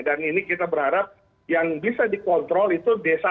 dan ini kita berharap yang bisa dikontrol itu d satu